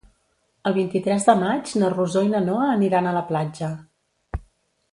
El vint-i-tres de maig na Rosó i na Noa aniran a la platja.